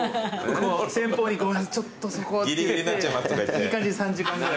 先方に「ごめんなさいちょっとそこは」って言っていい感じに３時間ぐらい。